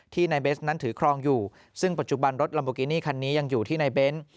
นายเบสนั้นถือครองอยู่ซึ่งปัจจุบันรถลัมโบกินี่คันนี้ยังอยู่ที่นายเบนท์